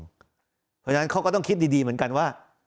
เพราะฉะนั้นเขาก็ต้องคิดดีเหมือนกันว่า